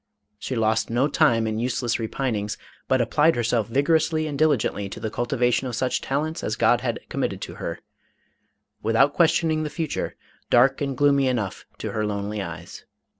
She lost no time in useless repinings, but applied herself vigorously and diligently to the cultivation of such talents as God had committed to her, without questioning the future, dark and gloomy enough to her lonely eyes.